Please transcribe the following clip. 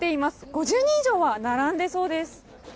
５０人以上は並んでそうです。